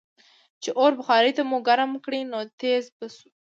چې اور بخارۍ ته مو ګرم کړ نو ټیزززز به شو.